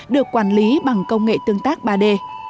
được quản lý bằng công nghệ tương tác ba d